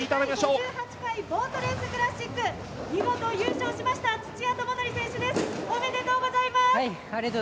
ＳＧ第５８回ボートレースクラシック、見事優勝しました土屋智則選手です、おめでとうございます。